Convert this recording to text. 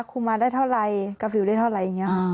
คุณมาได้เท่าไรกับคุณได้เท่าไรอย่างนี้ค่ะ